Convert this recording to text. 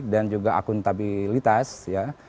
dan juga akuntabilitas ya